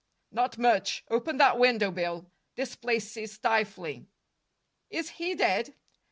"Not much. Open that window, Bill. This place is stifling." "Is he dead?"